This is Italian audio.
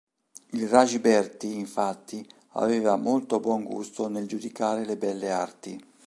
Il Rajberti infatti aveva molto buon gusto nel giudicare le belle arti.